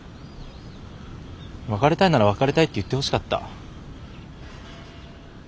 別れたいなら別れたいって言ってほしかった。